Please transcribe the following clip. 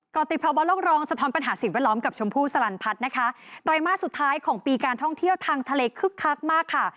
กรติภาวะโลกรองสะท้อนปัญหาสิ่งแวดล้อมกับชมพู่สลันพัฒน์นะคะไตรมาสสุดท้ายของปีการท่องเที่ยวทางทะเลคึกคักมากค่ะ